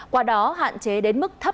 qua đó hạn chế đến mức thấp